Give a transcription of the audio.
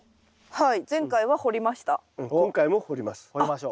はい。